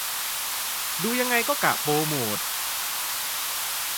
ดูยังไงก็กะโปรโมท